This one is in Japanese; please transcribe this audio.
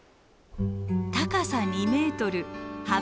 高さ２ｍ幅１．８ｍ。